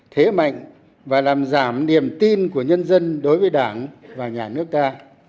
thế mạnh và làm giảm niềm tin của nhân dân đối với đảng và nhà nước ta